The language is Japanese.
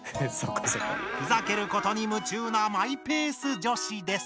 ふざけることに夢中なマイペース女子です。